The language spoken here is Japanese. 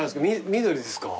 緑ですか？